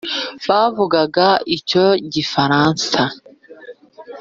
bavugaga icyo gifaransa